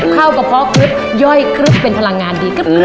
เข้ากระเพาะครึ๊บย่อยครึบเป็นพลังงานดี